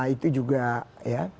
itu juga ya